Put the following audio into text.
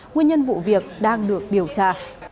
nguyên nhân vụ việc đang được điều tra